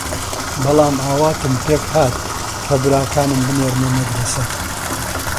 بەڵام ئاواتم پێک هات کە براکانم بنێرمە مەدرەسە